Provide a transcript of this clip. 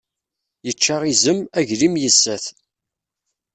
Yečča izem, aglim yessa-t.